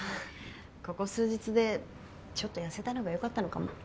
ここ数日でちょっと痩せたのが良かったのかも。